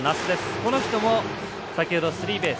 この人も先ほどスリーベース。